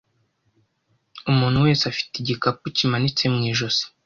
Umuntu wese afite igikapu kimanitse mu ijosi